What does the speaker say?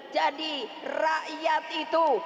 jadi rakyat itu